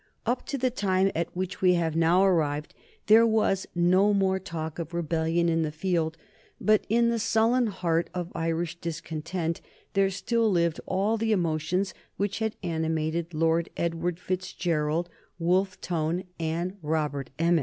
Up to the time at which we have now arrived there was no more talk of rebellion in the field, but in the sullen heart of Irish discontent there still lived all the emotions which had animated Lord Edward Fitzgerald, Wolfe Tone, and Robert Emmet.